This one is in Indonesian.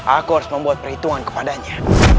aku harus membuat perhitungan kepadanya